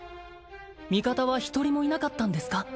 味方は一人もいなかったんですか？